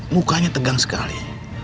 mukanya tegang sekali